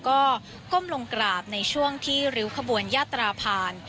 ก็ก้มลงกราบในช่วงที่ริ้วขบวนยาตราผ่าน